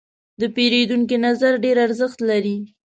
د پیرودونکي نظر ډېر ارزښت لري.